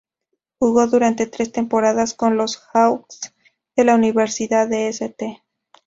Jugó durante tres temporadas con los "Hawks" de la Universidad de St.